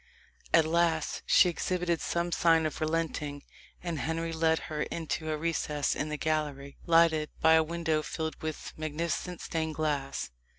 At last she exhibited some signs of relenting, and Henry led her into a recess in the gallery, lighted by a window filled with magnificent stained glass.